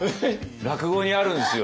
落語にあるんですよ。